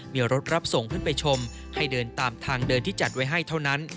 มีรถรับส่งขึ้นไปชมให้เดินตามทางเดินที่จัดไว้ให้เท่านั้น